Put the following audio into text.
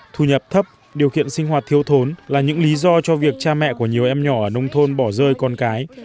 thu nhập thấp điều kiện sinh hoạt thiếu thốn là những lý do cho việc cha mẹ của nhiều em nhỏ ở nông thôn bỏ rơi con cái